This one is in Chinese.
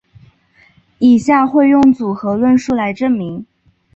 以下会用组合论述来证明。